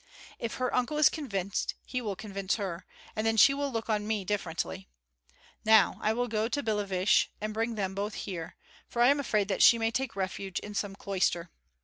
If her uncle is convinced he will convince her, and then she will look on me differently. Now I will go to Billeviche and bring them both here, for I am afraid that she may take refuge in some cloister.